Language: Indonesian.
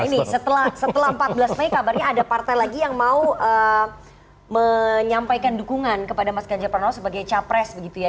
ini setelah empat belas mei kabarnya ada partai lagi yang mau menyampaikan dukungan kepada mas ganjar pranowo sebagai capres begitu ya